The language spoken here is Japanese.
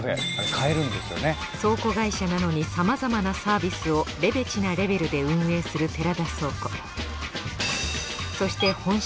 倉庫会社なのに様々なサービスをレベチなレベルで運営する寺田倉庫。